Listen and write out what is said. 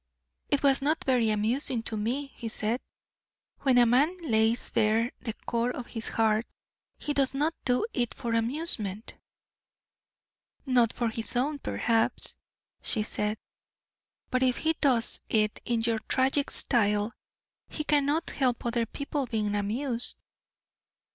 "It was not very amusing to me," he said. "When a man lays bare the core of his heart, he does not do it for amusement." "Not for his own, perhaps," she said; "but if he does it in your tragic style, he cannot help other people being amused."